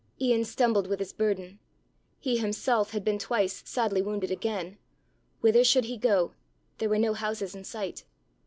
Ian stumbled with his burden. He himself had been twice sadly wounded again. Whither should he go? There were no houses in sight.